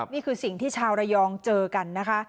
นี่คือสิ่งที่ชาวระยองเจอกันนะคะ